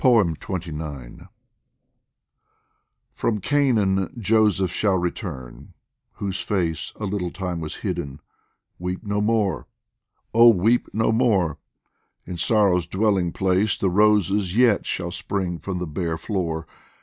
XXIX FROM Canaan Joseph shall return, whose face A little time was hidden : weep no more Oh, weep no more ! in sorrow's dwelling place The roses yet shall spring from the bare floor